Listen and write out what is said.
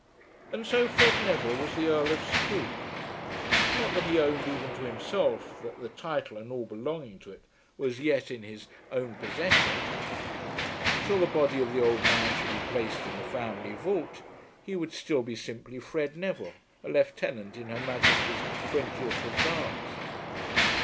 And so Fred Neville was the Earl of Scroope. Not that he owned even to himself that the title and all belonging to it were as yet in his own possession. Till the body of the old man should be placed in the family vault he would still be simply Fred Neville, a lieutenant in Her Majesty's 20th Hussars.